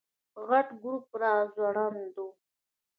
غټ ګروپ راځوړند و.